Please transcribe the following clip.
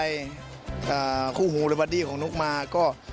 นนุกธนโดรณ์คู่หูและคนที่รผดาของนุกมาก็